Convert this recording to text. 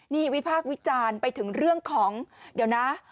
นี่วิพากษ์วิจารณ์ไปถึงเรื่องของเดี๋ยวนะ